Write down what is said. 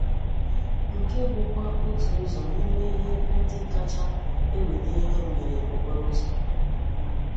nke bụkwa otu ụzọ n'ime ihe ndị kacha eweta ihe mbere okporoụzọ.